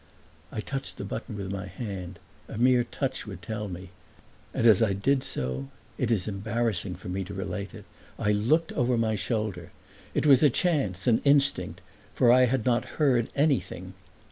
I touched the button with my hand a mere touch would tell me; and as I did so (it is embarrassing for me to relate it), I looked over my shoulder. It was a chance, an instinct, for I had not heard anything.